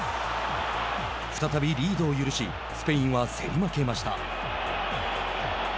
再びリードを許しスペインは競り負けました。